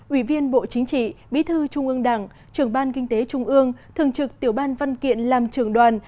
ủy viên bộ chính trị bí thư trung ương đảng trưởng ban kinh tế trung ương thường trực tiểu ban văn kiện làm trường đoàn